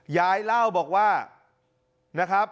ยายเล่าบอกว่า